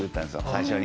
最初に。